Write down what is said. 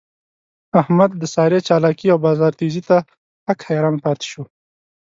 احمد د سارې چالاکی او بازار تېزۍ ته حق حیران پاتې شو.